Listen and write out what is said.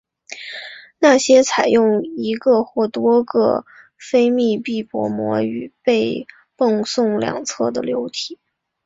那些采用一个或多个非密封隔膜与被泵送两侧的流体。